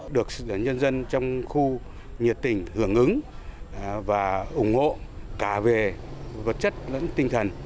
được nhân dân trong khu nhiệt tình hưởng ứng và ủng hộ cả về vật chất lẫn tinh thần